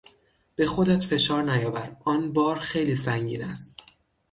به خودت فشار نیاور، آن بار خیلی سنگین است.